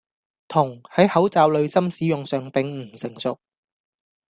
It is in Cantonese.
銅喺口罩濾芯使用上並唔成熟